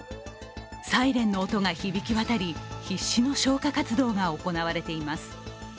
サイレンの音が響き渡り、必死の消火活動が行われています。